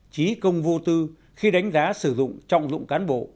trí công vô tư khi đánh giá sử dụng trọng dụng cán bộ